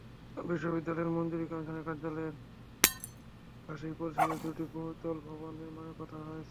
বিশ্ববিদ্যালয় মঞ্জুরি কমিশনের কার্যালয়ের পাশেই পরিষদের দুটি বহুতল ভবন নির্মাণের কথা রয়েছে।